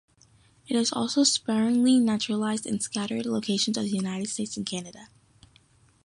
It is also sparingly naturalized in scattered locations in the United States and Canada.